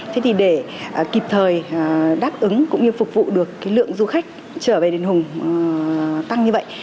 thế thì để kịp thời đáp ứng cũng như phục vụ được cái lượng du khách trở về đền hùng tăng như vậy